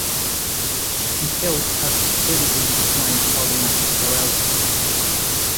His health had steadily declined following his paralysis.